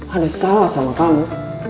ada salah sama kamu